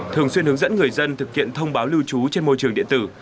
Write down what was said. thường xuyên hướng dẫn người dân thực hiện thông báo lưu trú trên môi trường điện tử